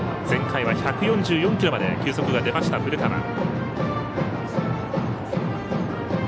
前回は１４４キロまで球速が出た古川。